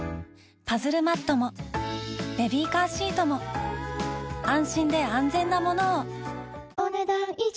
パズルマットもベビーカーシートも安心で安全なものをお、ねだん以上。